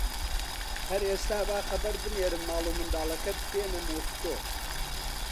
هەر ئێستا با خەبەر بنێرم ماڵ و منداڵەکەت بێنە مۆسکۆ